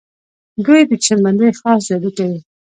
دوی د چشم بندۍ خاص جادو کوي.